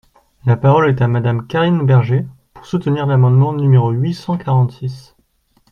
La parole est à Madame Karine Berger, pour soutenir l’amendement numéro huit cent quarante-six.